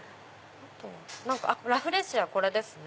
ラフレシアこれですね。